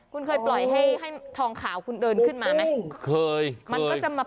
คุณเคยปล่อยให้ทองขาวคุณเดินขึ้นมาไหม